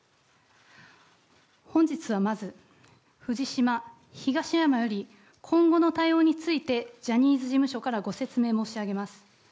本日はまず、藤島、東山より今後の対応についてジャニーズ事務所からご説明申し上げます。